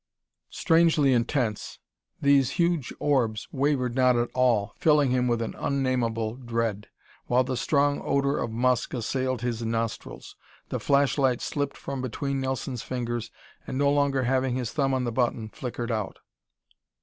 Strangely intense, these huge orbs wavered not at all, filling him with an unnameable dread, while the strong odor of musk assailed his nostrils. The flashlight slipped from between Nelson's fingers and, no longer having his thumb on the button, flickered out.